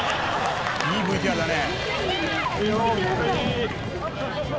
「いいＶＴＲだね」